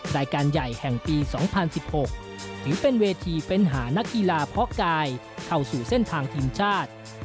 รายการใหญ่แห่งปี๒๐๑๖ถือเป็นเวทีเฟ้นหานักกีฬาเพาะกายเข้าสู่เส้นทางทีมชาติ